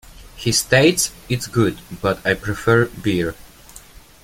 He states It's good, but I prefer beer.